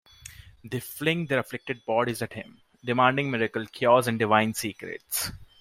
They fling their afflicted bodies at him, demanding miracle cures and divine secrets.